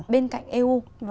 bên cạnh eu